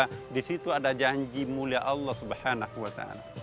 dimana ada musibah disitu ada janji mulia allah swt